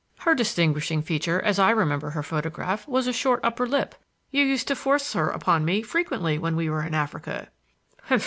Her distinguishing feature, as I remember her photograph, was a short upper lip. You used to force her upon me frequently when we were in Africa."